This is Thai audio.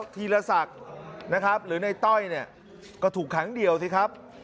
ธีรศักดิ์นะครับหรือในต้อยเนี่ยก็ถูกขังเดี่ยวสิครับ